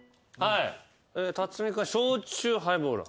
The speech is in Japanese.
辰巳君「焼酎ハイボール」